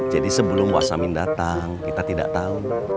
jadi sebelum was samin datang kita tidak tahu